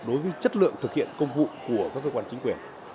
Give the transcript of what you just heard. dùng cái áp lực của người dân